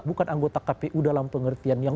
bukan anggota kpu dalam pengertian yang